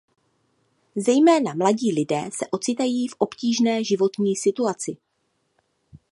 Zejména mladí lidé se ocitají v obtížné životní situaci.